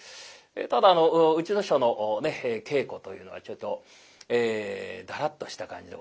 ただあのうちの師匠の稽古というのはちょいとだらっとした感じでございまして。